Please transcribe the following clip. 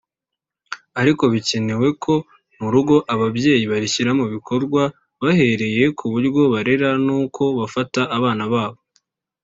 ariko bikenewe ko mu rugo ababyeyi barishyira mu bikorwa bahereye ku buryo barera n’uko bafata abana babo